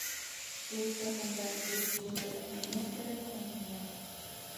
— Ул сағында дүрт бүре ниңә кәрәк һуң һиңә?